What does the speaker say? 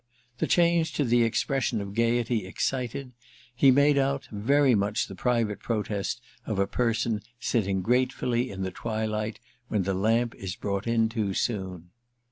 The change to the expression of gaiety excited, he made out, very much the private protest of a person sitting gratefully in the twilight when the lamp is brought in too soon.